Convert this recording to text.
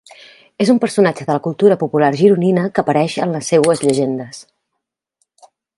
És un personatge de la cultura popular gironina que apareix en les seues llegendes.